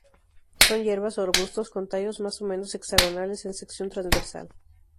Son hierbas o arbustos; con tallos más o menos hexagonales en sección transversal.